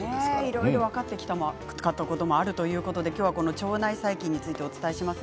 いろいろ分かってきたこともあるということで今日は腸内細菌についてお伝えします。